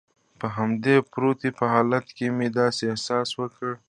په همدې پروتې په حالت کې مې داسې احساس وکړل.